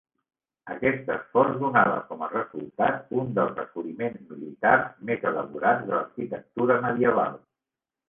Aquest esforç donava com a resultat un dels assoliments militars més elaborats de l'arquitectura medieval.